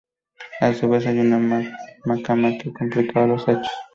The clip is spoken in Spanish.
A su vez, hay una mucama que complicaba los hechos.